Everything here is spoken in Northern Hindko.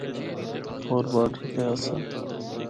ہور باڈر تے آسا۔